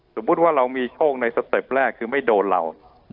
สมมุติว่าเรามีโชคในสเต็ปแรกคือไม่โดนเรา